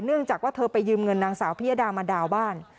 เนื่องจากว่าเธอไปยืมเงินนางสาวพิยดามาดาวบ้าน